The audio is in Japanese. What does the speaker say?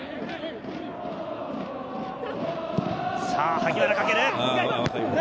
萩原駆。